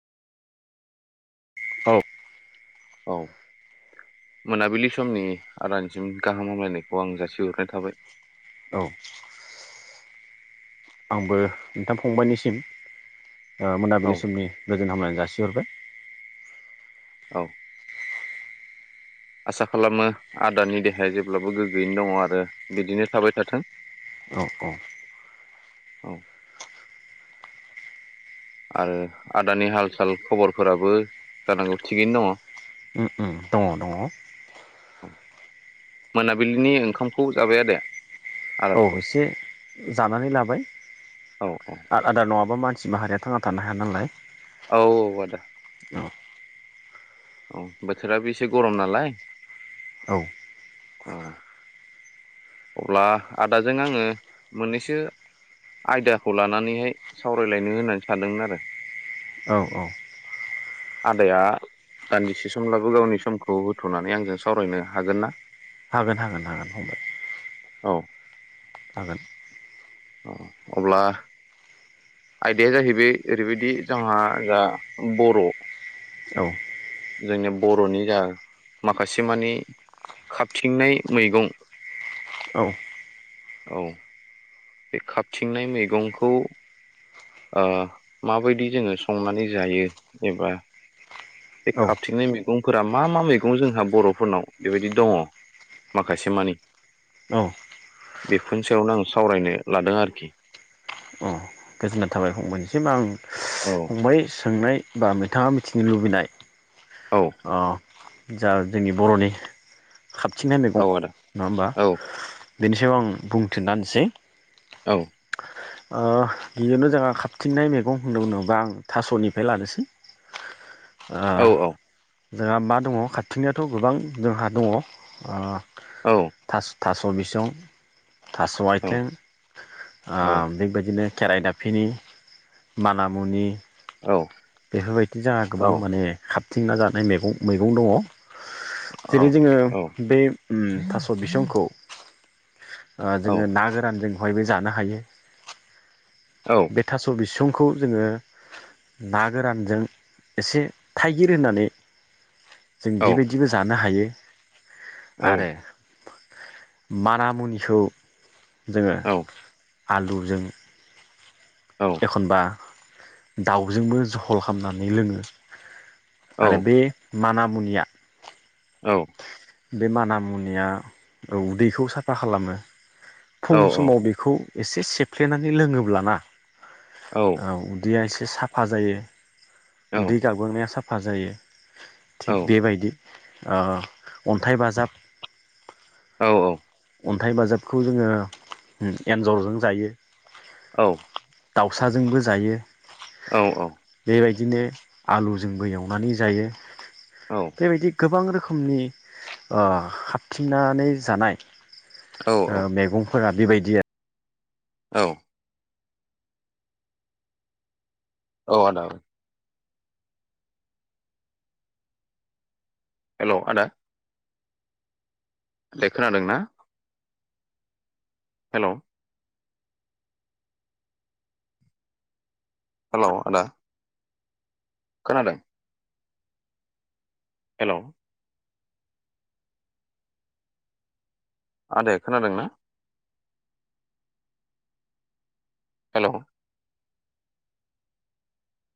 औ औ मोनाबिलि समनि आदानिसिम गाहाम हामलायनायखौ आं जासिहरग्रोनाय थाबाय। औ आंबो नोंथां फंबायनिसिम ओ औ मोनाबिलि समनि गोजोन हामलनाय जासिहरबाय। औ आसा खालामो आदानि देहाया जेब्लाबो गोग्गोयैनो दङ आरो बिदिनो थाबाय थाथों औ औ औ। आरो आदानि हाल साल खबरफोराबो जानांगौ थिगैनो दङ मोनाबिलिनि ओंखामखौ जाबाय आदाया? औ आदारखौ [unintelligible] जानानै लाबाय। औ आ आदार नङाबा मानस सि माहारिया थांना थानो हायानालाय। औ औ आदा। औ बोथोराबो एसे गरम नालाय औ औ ओ अब्ला आदाजों आङो मोननैसो आयदाखौ लानानैहाय सावरायलायनो होननानै सानदोंमोन आरो औ औ आदाया दान्दिसे समब्लाबो गावनि समखौ होथनानै आंजों सावरायनो हागोनना? हागोन हागोन हागोन फंबाय। औ हागोन। अ अब्ला आयदाया जाहैबाय ओरैबायदि जोंहा जा बर' औ जोंनि बर'नि जा माखासे मानि खाबथिंनाय मैगं औ औ बे खाबथिंनाय मैगंखौ ओ माबायदि जोङो संनानै जायो एबा बे औ खाबथिंनाय मैगंफोरा मा मा मैगं जोंहा बर'फोरनाव बेबायदि दङ माखासे मानि बेफोरनि सायावनो आं सावरायनो लादों आरोखि। औ गोजोननाय थाबाय फंबायनिसिम आं औ फंबाय सोंनाय बा मिथाङा मिथिनो लुबैनाय औ अ जा जोंनि बर'नि खाबथिंनाय औ मैगं आदा नङा ओमबा? औ बेनि सायाव आं बुंथिना होनोसै। औ ओ बेनो जोंहा खाबथिननाय मैगं होननो होनोबा आं थासनिफ्राय लानोसै। ओ औ औ जोंहा मा दङ खाथिनियाथ गोबां जोंहा दङ ओ औ थास' थास' बिसं थास' आयथें ओम खेराइ दाफिनि मानामुनि बेफोरबायदि जाहा गोबां माने खा थिंना जानाय मेगं मैगं दङ। जेरै जोङो बे ओम थास' बिसंखौ ओ जोङो ना गोरान जों [unintelligible] जानो हायो। बे थास' बिसुं खौ जोङो ना गोरानजों एसे थाइगिर होनानै। जों बेबायदिबो जानो हायो। [inaudible] आरो मानामुनिखौ जोङो आलुजों एखनबा दाउजोंबो जहल खामनानै लोङो। औ आरो बे मानामुनिया। औ बे माना मुनिया औ उदैखौ साफा खालामो। फुं समाव बेखौ एसे सेफ्लेनानै लोङोब्लाना। औ उदैया एसे साफा जायो। उदै गाबगांनाया साफ फा जायो। थिग बेबायदि ओ अन्थाइ बाजाब औ औ अन्थाइ बाजाबखौ जोङो एन्जरजों जायो औ दाउसाजोंबो जायो औ औ बेबायदिनो आलुजोंबो एवनानै जायो औ बेबायदि गोबां रोखोम रोखोमनि ओ खाबथिंनानै जानाय ओ मैगं [unintelligible] बेबायदि आ औ औ आदा हेलौ आदा दे खोनादों ना हेलौ हेलौ आदा खोनादों हेलौ आदाया खोनादों ना हेलौ